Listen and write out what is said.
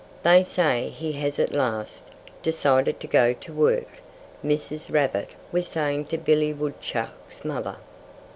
They say he has at last decided to go to work," Mrs. Rabbit was saying to Billy Woodchuck's mother.